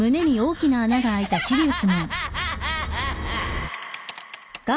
ハハハハ。